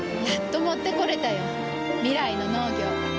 やっと持ってこれたよ。未来の農業。